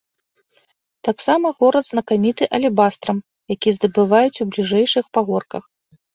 Таксама горад знакаміты алебастрам, які здабываюць у бліжэйшых пагорках.